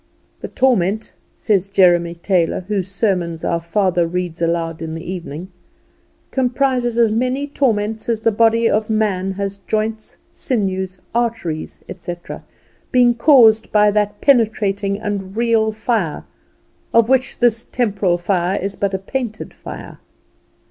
"The torment," says Jeremy Taylor, whose sermons our father reads aloud in the evening, "comprises as many torments as the body of man has joints, sinews, arteries, etc., being caused by that penetrating and real fire of which this temporal fire is but a painted fire.